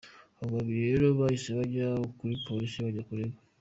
Abo babiri rero bahise bajya no kuri Polisi bajya kurega.